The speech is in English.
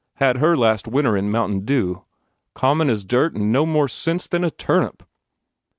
Had her last winter in Mountain Dew. Common as dirt and no more sense than a turnip."